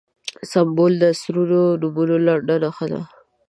سمبول د عنصرونو د نومونو لنډه نښه ده.